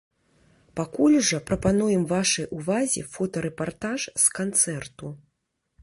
Пакуль жа прапануем вашай увазе фотарэпартаж з канцэрту.